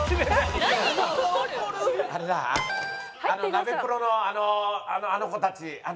ナベプロのあの子たち。